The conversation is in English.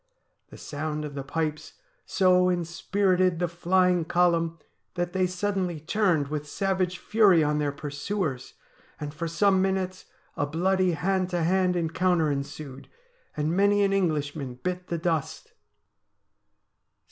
The sound of the pipes so in spirited the flying column that they suddenly turned with savage fury on their pursuers, and for some minutes a bloody hand to hand encounter ensued, and many an Englishman bit the dust.